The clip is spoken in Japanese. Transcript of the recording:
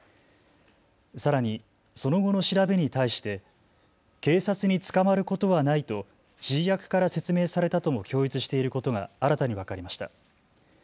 さらにその後の調べに対して警察に捕まることはないと指示役から説明されたとも供述していることが新たに分かりました。